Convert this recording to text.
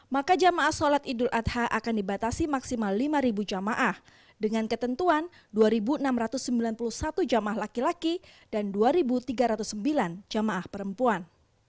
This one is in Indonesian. maka jamaah sholat idul adha akan dibatasi maksimal lima jamaah dengan ketentuan dua enam ratus sembilan puluh satu jamaah laki laki dan dua tiga ratus sembilan jamaah perempuan